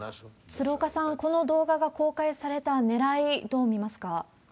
鶴岡さん、この動画が公開されたねらい、どう見ますか？